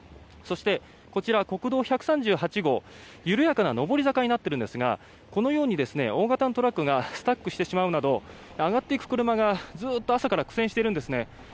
そしてこちら、国道１３８号緩やかな上り坂になっているんですがこのように大型のトラックがスタックしてしまうなど上がっていく車がずっと朝から苦戦しているんですね。